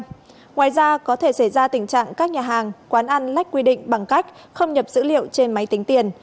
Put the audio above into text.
ngoài ra có thể xảy ra tình trạng các nhà hàng quán ăn lách quy định bằng cách không nhập dữ liệu trên máy tính tiền